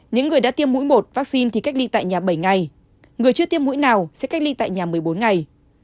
những người đã tiêm mũi một vaccine thì cách ly tại nhà bảy ngày người chưa tiêm mũi nào sẽ cách ly tại nhà một mươi bốn ngày